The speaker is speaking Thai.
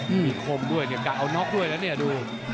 มีคมด้วยเนี่ยกะเอาน็อกด้วยนะเนี่ยดู